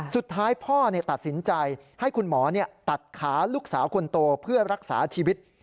สุดท้ายพ่อตัดสินใจให้คุณหมอตัดขาลูกสาวคนโตเพื่อรักษาชีวิต